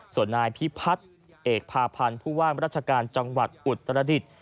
ส่วนนายพิพัฒน์เอกพาพันธ์ผู้ว่ามราชการจังหวัดอุตรดิษฐ์